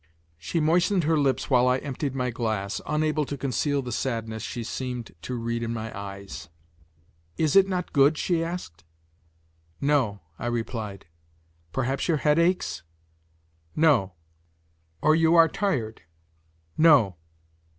She moistened her lips while I emptied my glass, unable to conceal the sadness she seemed to read in my eyes. "Is it not good?" she asked. "No," I replied. "Perhaps your head aches?" "No." "Or you are tired?" "No."